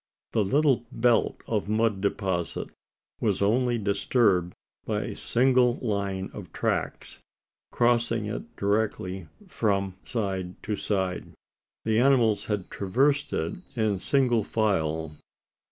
The little belt of mud deposit was only disturbed by a single line of tracts crossing it directly from side to side. The animals had traversed it in single file.